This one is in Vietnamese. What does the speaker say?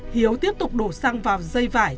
hiếu tiếp tục đổ xăng vào dây vải